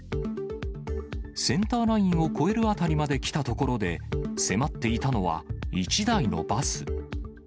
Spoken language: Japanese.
センターラインを越える辺りまで来た所で、迫っていたのは１台のバス。